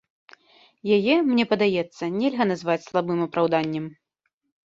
Яе, мне падаецца, нельга назваць слабым апраўданнем.